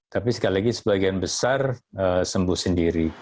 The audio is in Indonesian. tapi sekali lagi sebagian besar sembuh sendiri